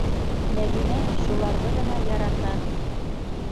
Мәҙинә шуларҙы ғына ярата.